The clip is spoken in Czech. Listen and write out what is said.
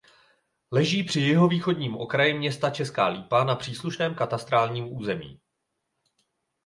Leží při jihovýchodním okraji města Česká Lípa na příslušném katastrálním území.